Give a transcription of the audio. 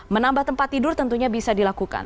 menambah tempat tidur tentunya bisa dilakukan